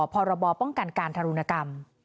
พรบป้องกันการทารุณกรรม